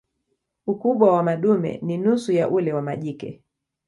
Ukubwa wa madume ni nusu ya ule wa majike.